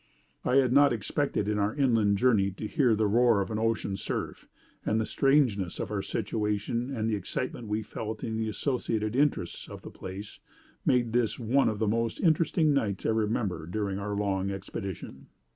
I had not expected in our inland journey to hear the roar of an ocean surf; and the strangeness of our situation, and the excitement we felt in the associated interests of the place, made this one of the most interesting nights I remember during our long expedition.